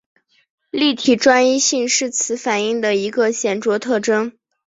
立体专一性是此反应的一个显着特征。